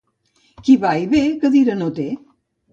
Qui va i ve, cadira no té.